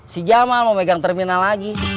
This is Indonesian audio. si jamal mau megang terminal lagi